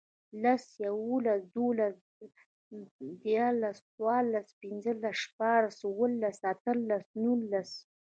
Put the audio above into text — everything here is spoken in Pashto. لس, یوولس, دوولس, دیرلس، څوارلس, پنځلس, شپاړس, اووهلس, اتهلس, نورلس